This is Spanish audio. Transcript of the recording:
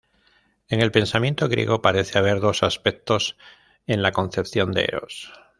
En el pensamiento griego parece haber dos aspectos en la concepción de Eros.